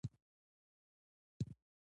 آمو سیند د افغانانو ژوند اغېزمن کوي.